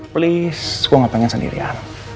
please gue gak pengen sendirian